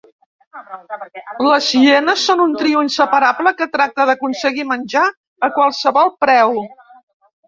Les hienes són un trio inseparable que tracta d'aconseguir menjar a qualsevol preu.